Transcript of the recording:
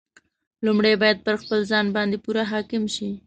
لومړی باید پر خپل ځان باندې پوره حاکم شي.